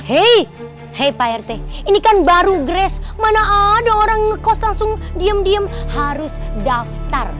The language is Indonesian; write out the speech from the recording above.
hei hei pak rt ini kan baru grace mana ada orang ngekos langsung diem diem harus daftar